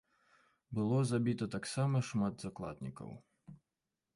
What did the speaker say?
Было забіта таксама шмат закладнікаў.